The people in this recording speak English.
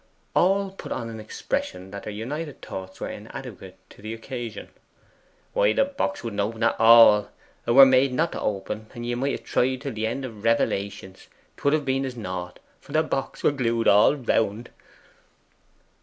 All put on an expression that their united thoughts were inadequate to the occasion. 'Why the box wouldn't open at all. 'A were made not to open, and ye might have tried till the end of Revelations, 'twould have been as naught, for the box were glued all round.